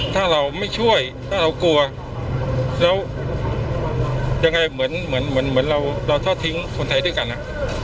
ถ้าเราไม่ช่วยถ้าเรากลัวแล้วยังไงเหมือนเหมือนเราเราทอดทิ้งคนไทยด้วยกันอ่ะ